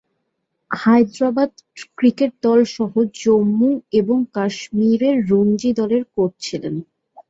Hyderabad cricket দলসহ জম্মু ও কাশ্মিরের রঞ্জি দলে কোচ ছিলেন।